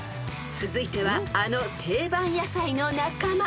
［続いてはあの定番野菜の仲間］